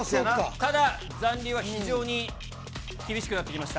ただ、残留は非常に厳しくなってきました。